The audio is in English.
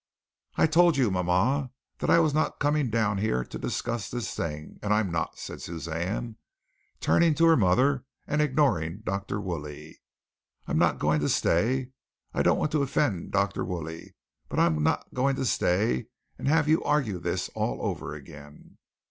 "I told you, mama, that I was not coming down here to discuss this thing, and I'm not!" said Suzanne, turning to her mother and ignoring Dr. Woolley. "I'm not going to stay. I don't want to offend Dr. Woolley, but I'm not going to stay and have you argue this all over again."